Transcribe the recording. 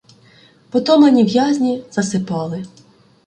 Потомлені в'язні засипали.